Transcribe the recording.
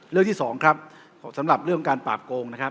เรื่องที่สองครับสำหรับเรื่องการปราบโกงนะครับ